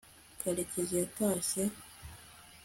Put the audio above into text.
karekezi yatashye